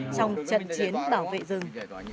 trong trận chiến bảo vệ rừng